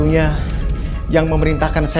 orang yang bersama ibu di pandora cafe